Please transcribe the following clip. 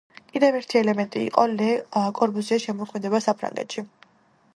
კიდევ ერთი ელემენტი იყო ლე კორბუზიეს შემოქმედება საფრანგეთში.